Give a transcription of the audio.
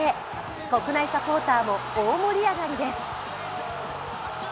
国内サポーターも大盛り上がりです。